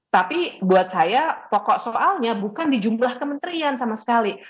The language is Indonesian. tapi buat saya pokok soalnya bukan di jumlah kementerian sama sekali